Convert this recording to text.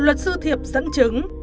luật sư thiệp dẫn chứng